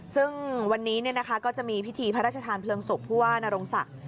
ซึ่งวันนี้ก็จะมีพิธีพระราชทานเพลิงศพผู้ว่านรงศักดิ์